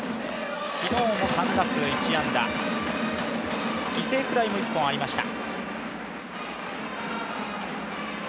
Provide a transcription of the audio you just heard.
昨日も３打数１安打、犠牲フライも１本ありました。